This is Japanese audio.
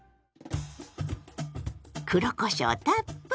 黒こしょうたっぷり！